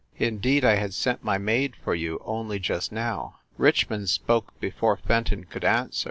Indeed, I had sent my maid for you, only just now!" Richmond spoke before Fenton could answer.